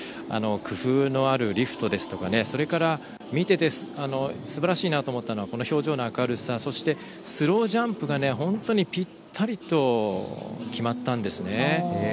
工夫のあるリフトですとかそれから見ていてすばらしいなと思ったのが表情の明るさそしてスロージャンプが本当にぴったりと決まったんですね。